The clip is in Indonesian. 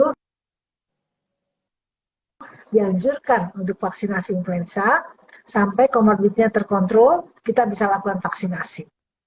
hai yang jurkan untuk vaksinasi influenza sampai comorbidnya terkontrol kita bisa lakukan vaksinasi